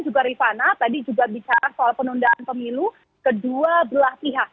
juga rifana tadi juga bicara soal penundaan pemilu kedua belah pihak